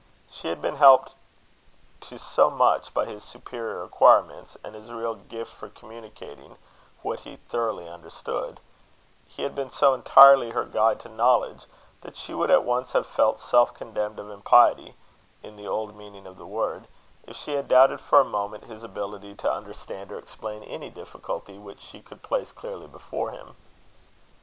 She had been helped to so much by his superior acquirements, and his real gift for communicating what he thoroughly understood; he had been so entirely her guide to knowledge, that she would at once have felt self condemned of impiety in the old meaning of the word if she had doubted for a moment his ability to understand or explain any difficulty which she could place clearly before him.